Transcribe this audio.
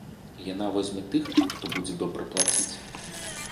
Яна возьме тых, хто будзе добра плаціць.